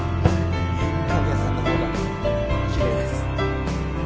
神谷さんのほうがきれいです。